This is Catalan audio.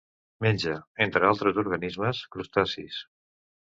Menja, entre altres organismes, crustacis.